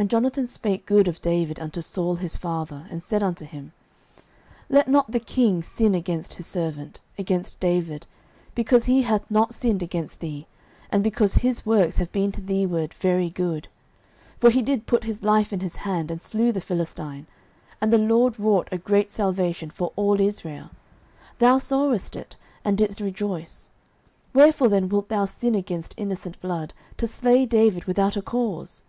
09:019:004 And Jonathan spake good of David unto Saul his father, and said unto him, Let not the king sin against his servant, against David; because he hath not sinned against thee, and because his works have been to thee ward very good: 09:019:005 For he did put his life in his hand, and slew the Philistine, and the LORD wrought a great salvation for all Israel: thou sawest it, and didst rejoice: wherefore then wilt thou sin against innocent blood, to slay David without a cause?